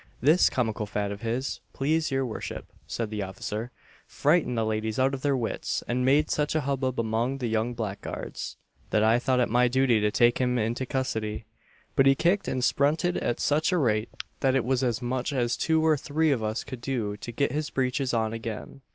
"This comical fad of his, please your worship," said the officer, "frightened the ladies out of their wits, and made such a hubbub among the young blackguards, that I thought it my duty to take him into custody; but he kicked and sprunted at such a rate, that it was as much as two or three of us could do to get his breeches on again."